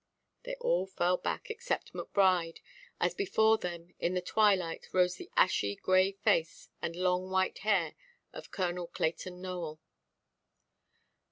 They all fell back, except Macbride, as before them in the twilight rose the ashy grey face and the long white hair of Colonel Clayton Nowell.